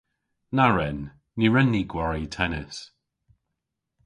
Na wren. Ny wren ni gwari tennis.